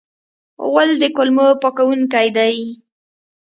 غول د کولمو پاکونکی دی.